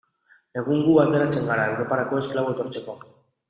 Egun gu ateratzen gara Europara esklabo etortzeko.